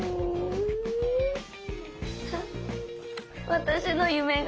私の夢が。